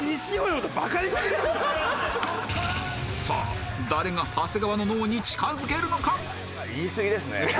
さあ誰が長谷川の脳に近付けるのか？